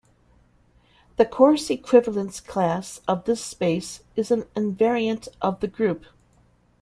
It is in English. The coarse equivalence class of this space is an invariant of the group.